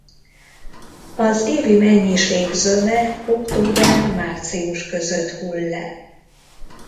Az évi mennyiség zöme október-március között hull le.